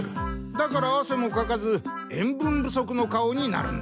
だからあせもかかず塩分不足の顔になるんだ。